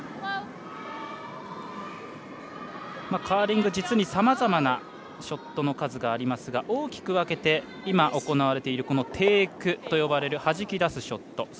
カーリング実にさまざまなショットの数がありますが大きく分けて今、行われているこのテイクと呼ばれるはじき出すショット